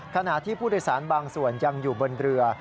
ขณะที่ผู้โดยสารบางส่วนยังอยู่บนเรือ